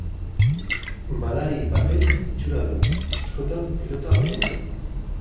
Madari baten itxura du, askotan pilota batena.